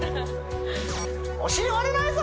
お尻割れないぞ！